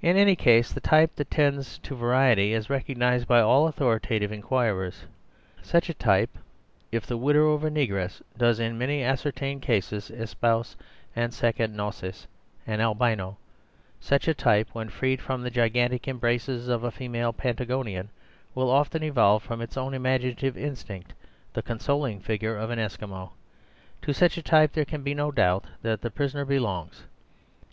In any case, the type that tends to variety is recognized by all authoritative inquirers. Such a type, if the widower of a negress, does in many ascertained cases espouse en seconde noces an albino; such a type, when freed from the gigantic embraces of a female Patagonian, will often evolve from its own imaginative instinct the consoling figure of an Eskimo. To such a type there can be no doubt that the prisoner belongs.